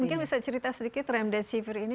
mungkin bisa cerita sedikit remdesiver ini